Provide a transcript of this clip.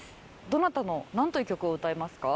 どなたのなんという曲を歌いますか？